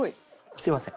すいません。